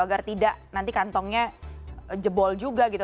agar tidak nanti kantongnya jebol juga gitu